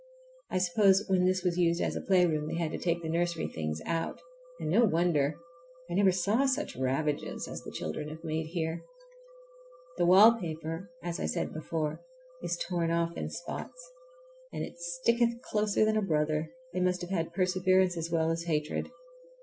I suppose when this was used as a playroom they had to take the nursery things out, and no wonder! I never saw such ravages as the children have made here. The wallpaper, as I said before, is torn off in spots, and it sticketh closer than a brother—they must have had perseverance as well as hatred.